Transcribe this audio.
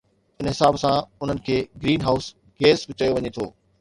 ان حساب سان انهن کي گرين هائوس گيس به چيو وڃي ٿو